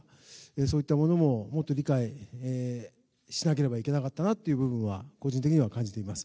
そういったものももっと理解しなければいけなかったなという部分は個人的には感じています。